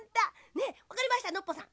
ねえわかりましたノッポさん